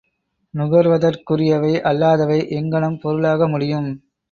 நுகர்வதற்குரியவை அல்லாதவை எங்ஙணம் பொருளாக முடியும்?